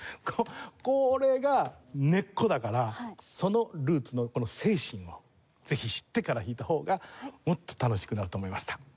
これが根っこだからそのルーツのこの精神をぜひ知ってから弾いた方がもっと楽しくなると思いました。